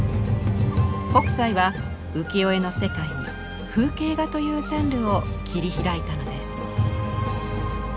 北斎は浮世絵の世界に「風景画」というジャンルを切り開いたのです。